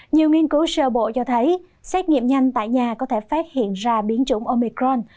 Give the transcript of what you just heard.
nhiều nghiên cứu sơ bộ cho thấy xét nghiệm nhanh tại nhà có thể phát hiện ra biến chủng omicron